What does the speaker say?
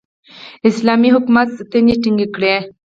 اسلامي حکومت ستنې ټینګې کړې.